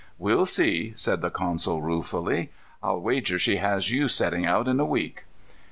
"We'll see," said the consul ruefully. "I'll wager she has you setting out in a week."